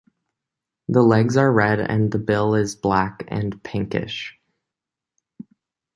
The legs are red and the bill is black and pinkish.